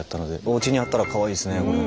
おうちにあったらかわいいですねこれ。